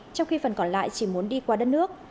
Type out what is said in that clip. trong khi phần còn lại chỉ muốn đi qua đất nước